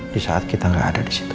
di saat kita nggak ada di situ